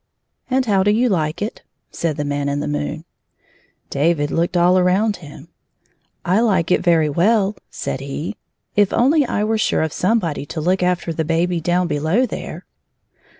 46 " And how do you like it 1 *' said the Man in the moon, David looked all around him, " I like it very well/' said he —" if only I were sure of somebody to look after the baby down below there."